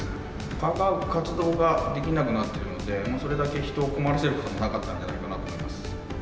蚊が活動ができなくなっているので、それだけ人を困らせることもなかったんじゃないかなと思います。